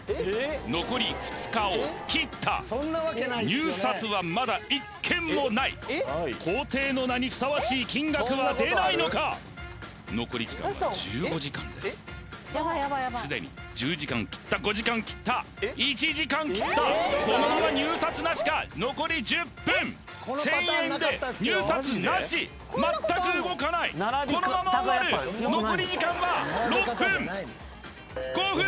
残り２日を切った入札はまだ１件もない皇帝の名にふさわしい金額は出ないのか残り時間は１５時間ですすでに１０時間切った５時間切った１時間切ったこのまま入札なしか残り１０分１０００円で入札なし全く動かないこのまま終わる残り時間は６分５分